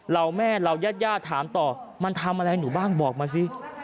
เราแม่เราญาติญาติถามต่อมันทำอะไรหนูบ้างบอกมาสิ